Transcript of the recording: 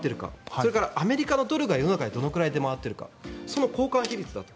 それからアメリカのドルが世の中にどれくらい出回っているかその交換比率だと。